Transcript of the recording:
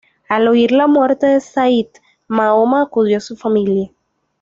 Al oír de la muerte de Zayd, Mahoma acudió a su familia.